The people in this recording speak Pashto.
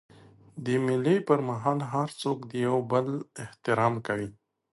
د مېلو پر مهال هر څوک د یو بل احترام کوي.